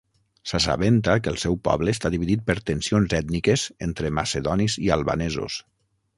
S'assabenta que el seu poble està dividit per tensions ètniques entre macedonis i albanesos.